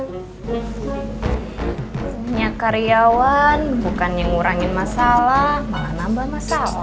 punya karyawan bukan yang ngurangin masalah malah nambah masalah